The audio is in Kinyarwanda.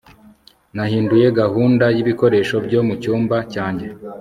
nahinduye gahunda y'ibikoresho byo mu cyumba cyanjye